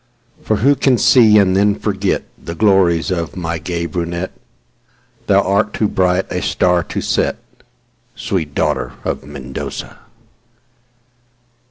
For who can see and then forgetThe glories of my gay brunette—Thou art too bright a star to set, Sweet daughter of Mendoza!